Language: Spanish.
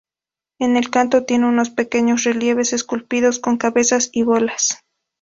En el canto tiene unos pequeños relieves esculpidos con cabezas y bolas.